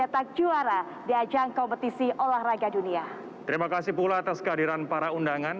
terima kasih pula atas kehadiran para undangan